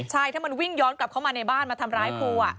ใช่ถ้ามันวิ่งย้อนกลับเข้ามาในบ้านมาทำร้ายครู